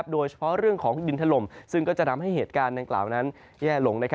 โดยเฉพาะเรื่องของดินถล่มซึ่งก็จะทำให้เหตุการณ์ดังกล่าวนั้นแย่ลง